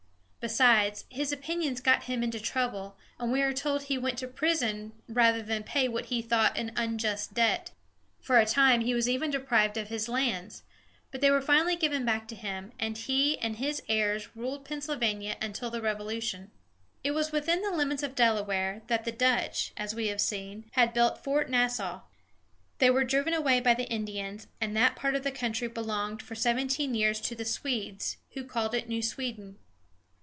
Besides, his opinions got him into trouble, and we are told he went to prison rather than pay what he thought an unjust debt. For a time he was even deprived of his lands; but they were finally given back to him, and he and his heirs ruled Pennsylvania until the Revolution. [Illustration: Old Swedish Church at Wilmington, Delaware.] It was within the limits of Delaware that the Dutch, as we have seen, had built Fort Nassau. They were driven away by the Indians, and that part of the country belonged for seventeen years to the Swedes, who called it New Sweden.